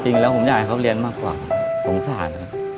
จริงแล้วผมอยากให้เขาเรียนมากกว่าสงสารนะครับ